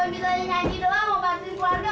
orang cuma bisa nyanyi doang mau baksin keluarga